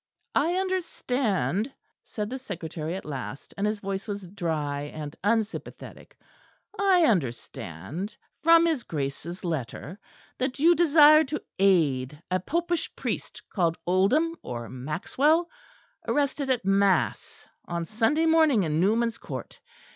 "I understand," said the Secretary at last, and his voice was dry and unsympathetic, "I understand, from his Grace's letter, that you desire to aid a popish priest called Oldham or Maxwell, arrested at mass on Sunday morning in Newman's Court.